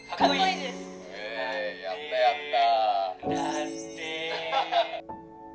「やったやった」